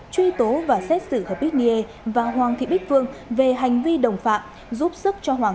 truy tố và xét xử hờ bích niê và hoàng thị bích phương